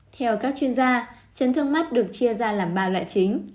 theo các chuyên gia chấn thương mắt được chia ra làm ba loại chính